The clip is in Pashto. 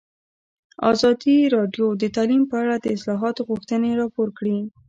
ازادي راډیو د تعلیم په اړه د اصلاحاتو غوښتنې راپور کړې.